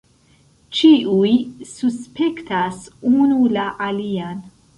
Ĉiuj suspektas unu la alian.